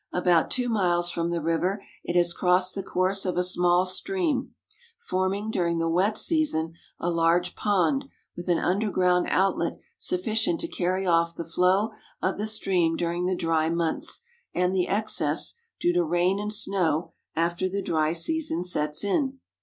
About two miles from the river it has crossed the course of a small stream, forming during the wet season a large pond, with an underground outlet sufficient to carry off the flow of the stream during the dry months and the exeessj due to rain and snow, after the dry season sets in.